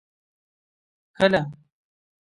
کله.